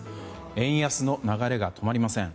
円安の流れが止まりません。